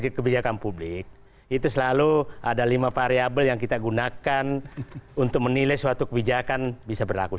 kebijakan publik itu selalu ada lima variable yang kita gunakan untuk menilai suatu kebijakan bisa berlaku